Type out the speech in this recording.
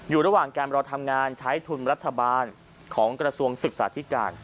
อยู่ระหว่างการรอทำงานใช้ทุนรัฐบาลของกระทรวงศึกษาธิการ